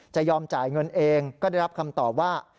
จะยอมจ่ายเงินเองก็ได้รับคำตอบว่า